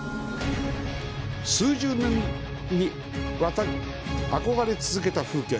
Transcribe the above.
数十年にわたり憧れ続けた風景。